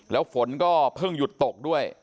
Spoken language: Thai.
แล้วฝนก็เพิ่งหยุดตกด้วย